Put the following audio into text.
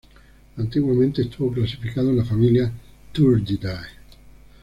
Antiguamente estuvo clasificado en la familia "Turdidae".